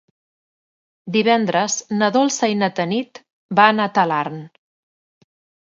Divendres na Dolça i na Tanit van a Talarn.